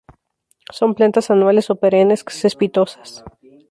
Son plantas anuales o perennes, cespitosas.